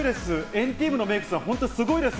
＆ＴＥＡＭのメークさん、本当すごいです。